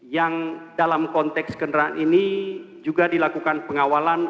yang dalam konteks kendaraan ini juga dilakukan pengawalan